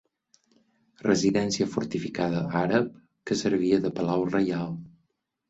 Residència fortificada àrab que servia de palau reial.